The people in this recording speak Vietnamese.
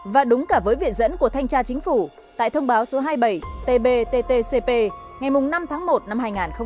và đúng cả với viện dẫn của thanh tra chính phủ tại thông báo số hai mươi bảy tbttcp ngày năm tháng một năm hai nghìn hai mươi